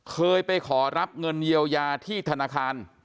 เคยไปขอรับเงินเยียวยาที่ธนาคาร